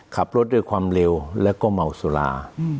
ขับรถด้วยความเร็วแล้วก็เมาสุรา